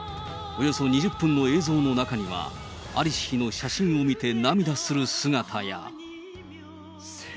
およそ２０分の映像の中には、在りし日の写真を見て涙する姿や。